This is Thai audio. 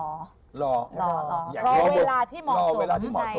รอเวลาที่เหมาะสม